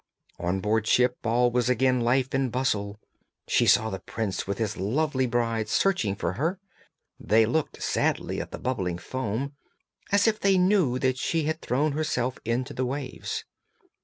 On board ship all was again life and bustle. She saw the prince with his lovely bride searching for her; they looked sadly at the bubbling foam, as if they knew that she had thrown herself into the waves.